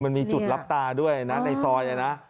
มันมีจุดรับตาด้วยนะในซอยนะ